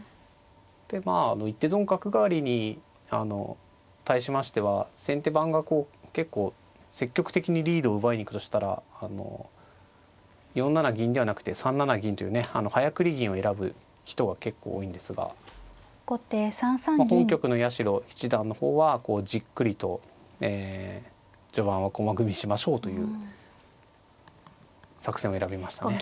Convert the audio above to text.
でまあ一手損角換わりに対しましては先手番が結構積極的にリードを奪いに行くとしたら４七銀ではなくて３七銀というね早繰り銀を選ぶ人が結構多いんですが本局の八代七段の方はこうじっくりと序盤は駒組みしましょうという作戦を選びましたね。